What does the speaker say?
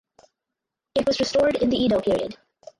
It was restored in the Edo period.